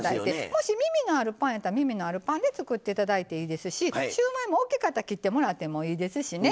もしみみがあるパンやったらみみのあるパンで作って頂いていいですしシューマイも大きかったら切ってもらってもいいですしね